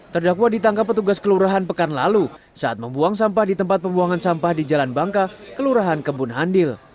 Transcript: terdakwa ditangkap petugas kelurahan pekan lalu saat membuang sampah di tempat pembuangan sampah di jalan bangka kelurahan kebun handil